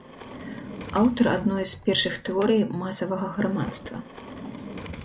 Аўтар адной з першых тэорый масавага грамадства.